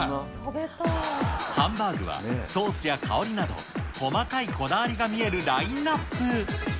ハンバーグはソースや香りなど、細かいこだわりが見えるラインナップ。